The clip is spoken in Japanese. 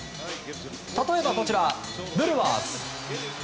例えばこちら、ブルワーズ。